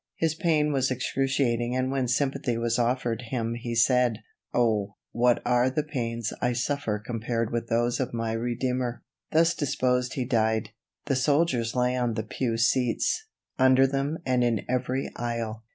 His pain was excruciating and when sympathy was offered him he said: "Oh, what are the pains I suffer compared with those of my Redeemer." Thus disposed he died. The soldiers lay on the pew seats, under them and in every aisle.